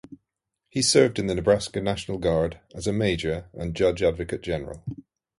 He served in the Nebraska National Guard as a major and Judge Advocate General.